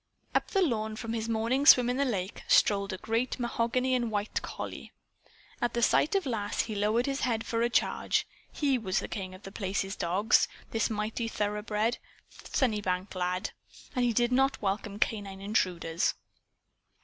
Up the lawn, from his morning swim in the lake, strolled a great mahogany and white collie. At sight of Lass he lowered his head for a charge. He was king of The Place's dogs, this mighty thoroughbred, Sunnybank Lad. And he did not welcome canine intruders.